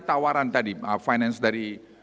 tawaran tadi finance dari